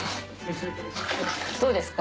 どうですか？